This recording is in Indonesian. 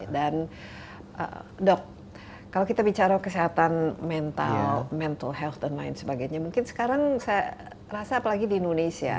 dan dok kalau kita bicara kesehatan mental mental health dan lain sebagainya mungkin sekarang saya merasa apalagi di indonesia